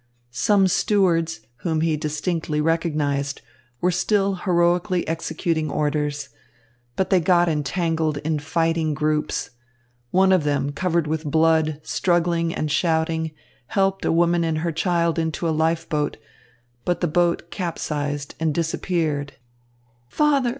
Some stewards, whom he distinctly recognised, were still heroically executing orders. But they got entangled in fighting groups. One of them covered with blood, struggling and shouting, helped a woman and her child into a life boat, but the boat capsized and disappeared. "Father!